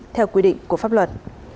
theo quy định của pháp luật